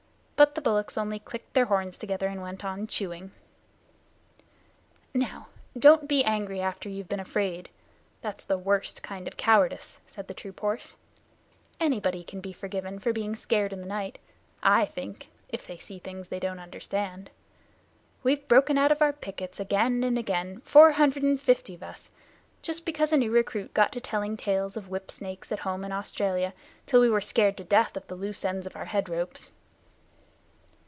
But the bullocks only clicked their horns together and went on chewing. "Now, don't be angry after you've been afraid. That's the worst kind of cowardice," said the troop horse. "Anybody can be forgiven for being scared in the night, I think, if they see things they don't understand. We've broken out of our pickets, again and again, four hundred and fifty of us, just because a new recruit got to telling tales of whip snakes at home in Australia till we were scared to death of the loose ends of our head ropes."